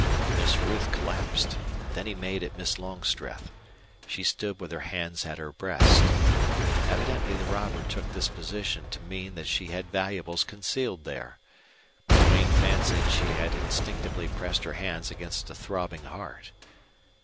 Miss Ruth collapsed. Then he made at Miss Longstreth. She stood with her hands at her breast. Evidently the robber took this position to mean that she had valuables concealed there. But Duane fancied she had instinctively pressed her hands against a throbbing heart.